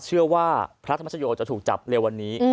เชื่อว่าพระธรรมชโยคจะถูกจับเร็ววันนี้